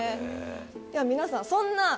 では皆さんそんな。